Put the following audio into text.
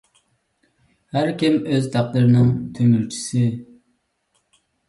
ھەركىم ئۆز تەقدىرىنىڭ تۆمۈرچىسى!